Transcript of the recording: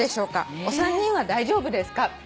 「お三人は大丈夫ですか？」